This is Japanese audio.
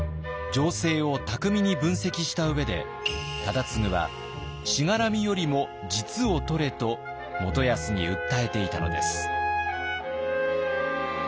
情勢を巧みに分析した上で忠次は「しがらみよりも実をとれ」と元康に訴えていたのです。